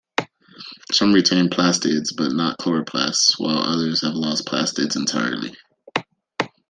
Some retain plastids, but not chloroplasts, while others have lost plastids entirely.